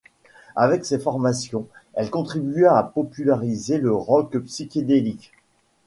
Avec ces formations, elle contribua à populariser le rock psychédélique.